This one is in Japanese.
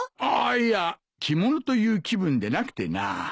あいや着物という気分でなくてな。